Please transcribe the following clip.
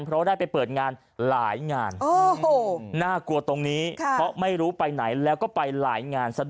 เพราะได้ไปเปิดงานหลายงาน